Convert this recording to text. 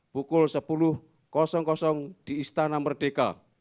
pukul sepuluh di istana merdeka